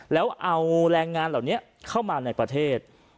แล้วเอาแรงงานเหล่านี้เข้ามาในประเทศ